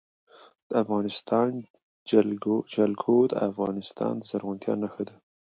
د افغانستان جلکو د افغانستان د زرغونتیا نښه ده.